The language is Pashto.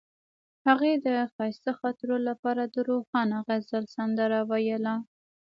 هغې د ښایسته خاطرو لپاره د روښانه غزل سندره ویله.